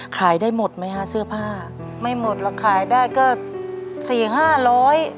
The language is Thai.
ขายได้หมดไหมฮะเสื้อผ้าไม่หมดหรอกขายได้ก็สี่ห้าร้อย